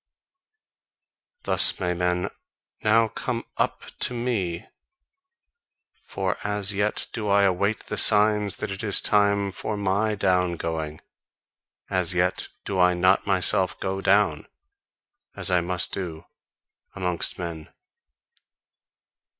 Thus may men now come UP to me; for as yet do I await the signs that it is time for my down going; as yet do I not myself go down, as I must do, amongst men.